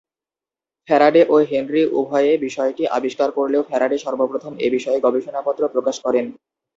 Faraday ও Henry উভয়ে বিষয়টি আবিষ্কার করলেও ফ্যারাডে সর্বপ্রথম এ বিষয়ে গবেষণাপত্র প্রকাশ করেন।